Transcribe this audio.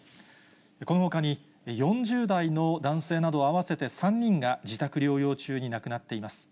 このほかに、４０代の男性など、合わせて３人が自宅療養中に亡くなっています。